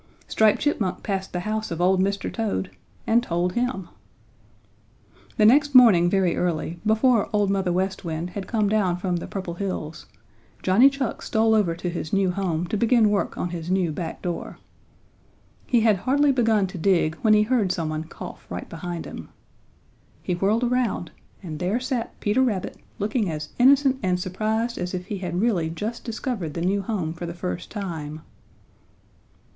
Striped Chipmunk passed the house of old Mr. Toad and told him. The next morning, very early, before Old Mother West Wind had come down from the Purple Hills, Johnny Chuck stole over to his new home to begin work on his new back door. He had hardly begun to dig when he heard some one cough right behind him. He whirled around and there sat Peter Rabbit looking as innocent and surprised as if he had really just discovered the new home for the first time.